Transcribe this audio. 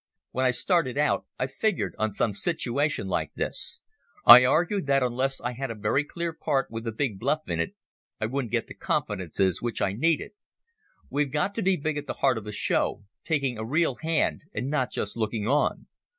When I started out I figured on some situation like this. I argued that unless I had a very clear part with a big bluff in it I wouldn't get the confidences which I needed. We've got to be at the heart of the show, taking a real hand and not just looking on.